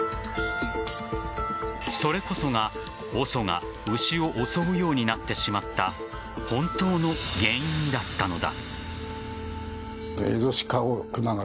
それこそがＯＳＯが牛を襲うようになってしまった本当の原因だったのだ。